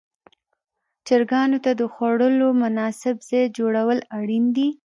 چرګانو ته د خوړلو مناسب ځای جوړول اړین دي.